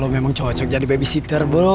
lu memang cocok jadi babysitter bro